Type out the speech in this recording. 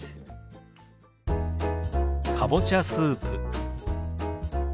「かぼちゃスープ」。